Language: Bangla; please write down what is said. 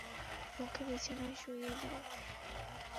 ওকে বিছানায় শুইয়ে দাও।